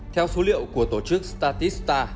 theo số liệu của tổ chức statista